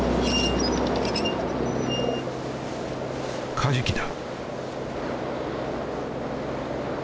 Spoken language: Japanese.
カジキだ。